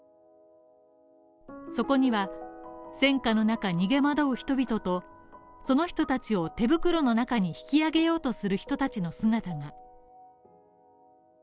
そこには、戦火の中、逃げ惑う人々とその人たちを手袋の中に引き上げようとする人たちの姿が。